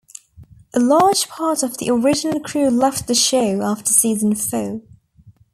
A large part of the original crew left the show after season four.